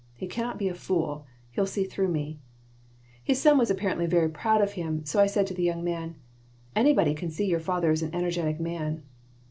"He cannot be a fool. He'll see through me." His son was apparently very proud of him, so I said to the young man: "Anybody can see your father is an energetic man."